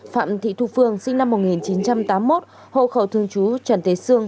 phạm thị thu phương sinh năm một nghìn chín trăm tám mươi một hộ khẩu thương chú trần thế sương